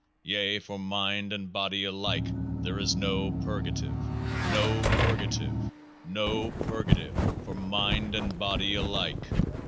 yea, for mind and body alike there is no purgative, no purgative, no purgative (for mind and body alike